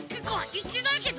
いってないけど。